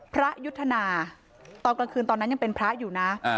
พระยุทธนาตอนกลางคืนตอนนั้นยังเป็นพระอยู่นะ